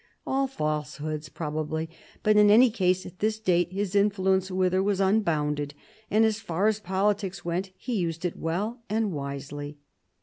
All falsehoods, pro bably ; but in any case, at this date his influence with her was unbounded, and as far as politics went he used it well and wisely.